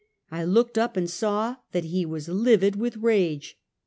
I looked up and saw that he was livid with rage.